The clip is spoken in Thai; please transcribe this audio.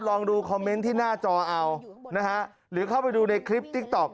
ลองดูคอมเมนต์ที่หน้าจอเอานะฮะหรือเข้าไปดูในคลิปติ๊กต๊อก